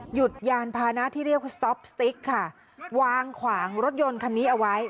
หยุดยานพานะที่เรียกว่าค่ะวางขวางรถยนต์คันนี้เอาไว้